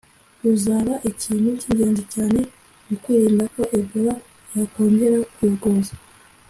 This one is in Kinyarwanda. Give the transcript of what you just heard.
ruzaba ikintu cy’ingenzi cyane mu kwirinda ko Ebola yokongera kuyogoza